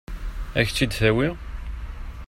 Ad k-tt-id-tawi?